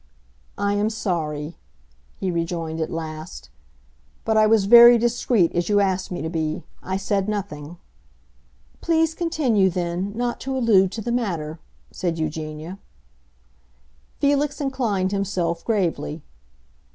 "I am sorry," he rejoined at last. "But I was very discreet, as you asked me to be. I said nothing." "Please continue, then, not to allude to the matter," said Eugenia. Felix inclined himself gravely.